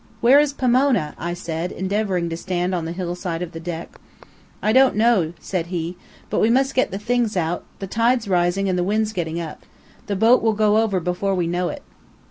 "Where is Pomona?" I said, endeavoring to stand on the hill side of the deck. "I don't know," said he, "but we must get the things out. The tide's rising and the wind's getting up. The boat will go over before we know it."